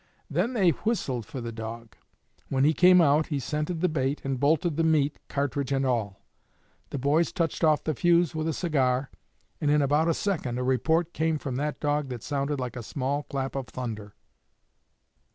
Then they whistled for the dog. When he came out he scented the bait, and bolted the meat, cartridge and all. The boys touched off the fuse with a cigar, and in about a second a report came from that dog that sounded like a small clap of thunder.